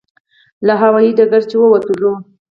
له هوایي ډګره چې ووتلو.